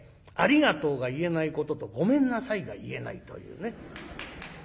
「ありがとう」が言えないことと「ごめんなさい」が言えないというね。